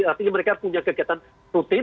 artinya mereka punya kegiatan rutin